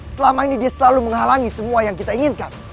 selama ini dia selalu menghalangi semua yang kita inginkan